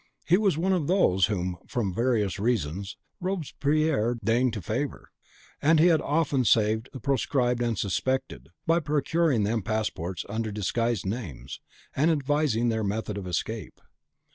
He was one of those whom, from various reasons, Robespierre deigned to favour; and he had often saved the proscribed and suspected, by procuring them passports under disguised names, and advising their method of escape.